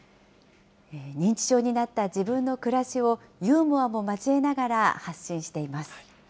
認知症になった自分の暮らしを、ユーモアも交えながら、発信しています。